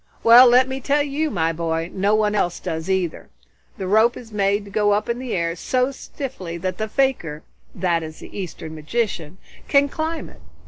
Well, let me tell you, my boy, no one else does either. The rope is made to go up in the air, so stiffly that the fakir that is, the Eastern magician can climb it.